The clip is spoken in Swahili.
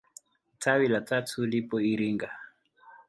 Tawi la tatu lipo Iringa.